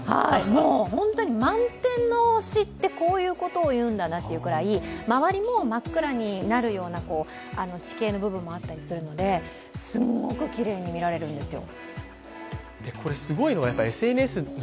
もう、本当に満天の星って、こういうことを言うんだなというくらい、周りも真っ暗になるような地形の部分もあったりするのですんごくきれいに見られるんですよ。